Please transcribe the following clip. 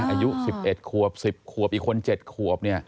อายุ๑๑ขวบ๑๐ขวบอีกคน๗ขวบ